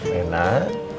selamat ulang tahun ya